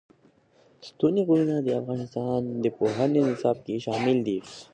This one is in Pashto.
ستوني غرونه د افغانستان د پوهنې نصاب کې شامل دي.